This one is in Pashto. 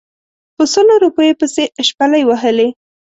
په سلو روپیو پسې شپلۍ وهلې.